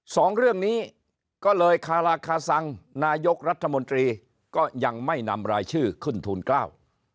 สองเรื่องนี้ก็เลยคาราคาซังนายกรัฐมนตรีก็ยังไม่นำรายชื่อขึ้นทูลเกล้า